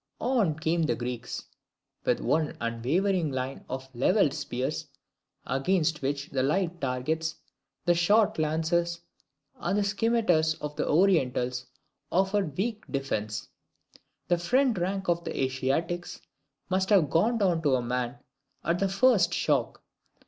On came the Greeks, with one unwavering line of levelled spears, against which the light targets, the short lances and scymetars of the Orientals offered weak defence. The front rank of the Asiatics must have gone down to a man at the first shock.